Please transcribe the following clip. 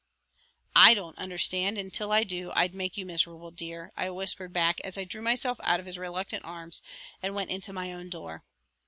"I don't understand, and until I do I'd make you miserable, dear," I whispered back as I drew myself out of his reluctant arms and went into my own door.